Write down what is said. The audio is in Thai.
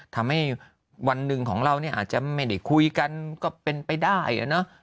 ทำให้วันหนึ่งของเราเนี่ยอาจจะไม่ได้คุยกันก็เป็นไปได้นะ